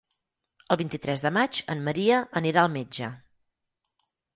El vint-i-tres de maig en Maria anirà al metge.